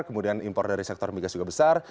kemudian impor dari sektor migas juga besar